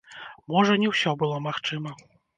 Можа, не ўсё было магчыма!